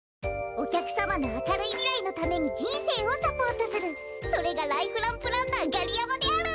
おきゃくさまのあかるいみらいのためにじんせいをサポートするそれがライフランプランナーガリヤマである。